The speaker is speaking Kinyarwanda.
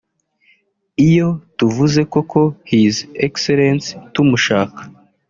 iyo tuvuze ko ko His Excellence tumushaka